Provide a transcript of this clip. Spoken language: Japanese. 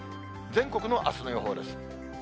全国のあすの予報です。